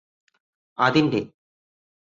അതിന്റെ